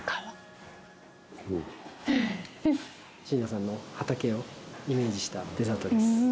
椎名さんの畑をイメージしたデザートです。